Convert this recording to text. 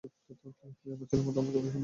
তুমি আমার ছেলের মতো, আমার কথা শুনো, সত্যা।